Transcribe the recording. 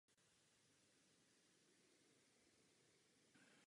Některé výsledky jsou již k dispozici.